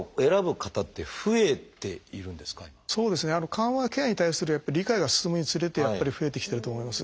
緩和ケアに対する理解が進むにつれてやっぱり増えてきてると思います。